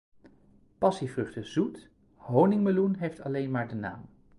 Passievrucht is zoet, honingmeloen heeft alleen maar de naam.